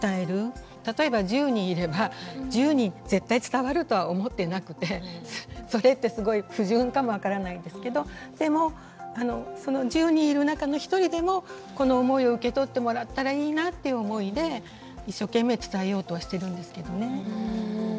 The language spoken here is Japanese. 例えば１０人いれば１０人絶対伝わるとは思ってなくてそれってすごい不純かも分からないんですけどでもその１０人いる中の１人でもこの思いを受け取ってもらったらいいなっていう思いで一生懸命伝えようとはしてるんですけどね。